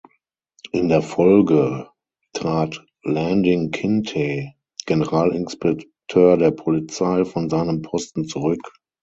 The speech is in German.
In der Folge trat Landing Kinteh, Generalinspekteur der Polizei, von seinem Posten zurück.